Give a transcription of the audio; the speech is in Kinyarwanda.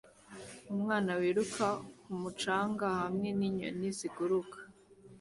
Umwana wiruka ku mucanga hamwe ninyoni ziguruka